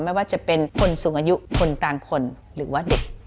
ไม่ว่าจะเป็นคนสูงอายุคนต่างคนหรือว่าเด็ก